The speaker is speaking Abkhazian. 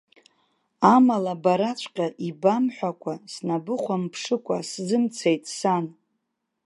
Амала, бараҵәҟьа ибамҳәакәа, снабыхәамԥшыкәа сзымцеит, сан.